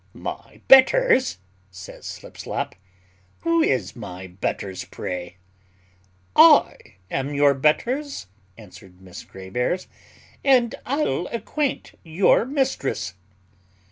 "My betters," says Slipslop, "who is my betters, pray?" "I am your betters," answered Miss Grave airs, "and I'll acquaint your mistress."